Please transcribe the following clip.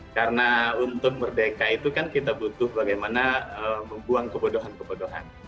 karena untuk merdeka itu kan kita butuh bagaimana membuang kebodohan kebodohan